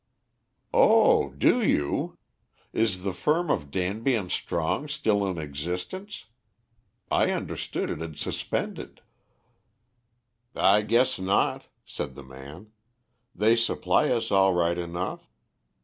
"Oh, do you? Is the firm of Danby and Strong still in existence? I understood it had suspended." "I guess not," said the man. "They supply us all right enough.